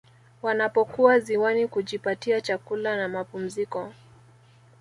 Wanapokuwa ziwani kujipatia chakula na mapumziko